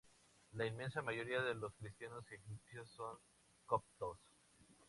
La inmensa mayoría de los cristianos egipcios son coptos.